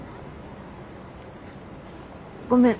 ごめん。